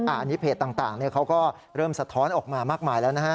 อันนี้เพจต่างเขาก็เริ่มสะท้อนออกมามากมายแล้วนะฮะ